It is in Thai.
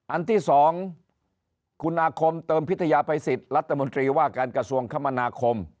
อันที่๒คุณอาคมเติมพิทยาภัยสิทธิ์รัฐมนตรีว่าการกระทรวงคมนาคม